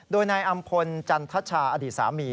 โดยนายอำพลจันทชาอดีตสามี